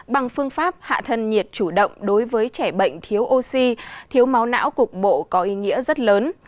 bằng phương pháp hạ thân nhiệt chủ động đối với trẻ bệnh thiếu oxy thiếu máu não cục bộ có ý nghĩa rất lớn